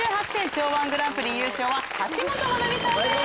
腸−１グランプリ優勝は橋本マナミさんです。